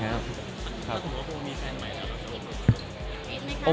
ถ้าคุณรู้ว่าคุณมีแฟนไหมครับ